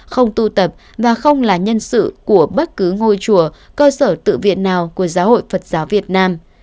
không tu tập và không là nhân sự của bất cứ ngôi chùa cơ sở tự viện nào của giáo hội phật giáo việt nam